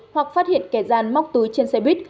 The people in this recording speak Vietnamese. hoặc phát hiện kẻ gian móc túi trên xe buýt